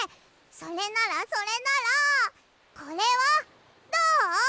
それならそれならこれはどう？